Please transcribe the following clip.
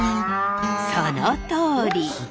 そのとおり！